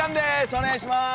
お願いします。